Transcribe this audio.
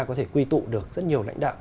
có thể quy tụ được rất nhiều lãnh đạo